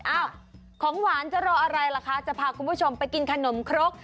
ของหวานจะรออะไรล่ะคะจะพาคุณผู้ชมไปกินขนมครก